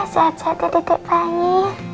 sehat sehat ya dedek bayi